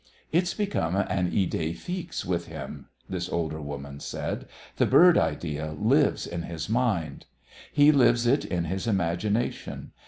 "It's become an idée fixe with him," this older woman said. "The bird idea lives in his mind. He lives it in his imagination.